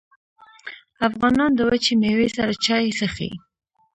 افغانان د وچې میوې سره چای څښي.